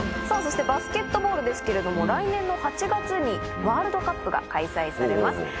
さぁそしてバスケットボールですけれども来年の８月にワールドカップが開催されます。